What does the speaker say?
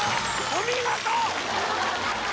お見事！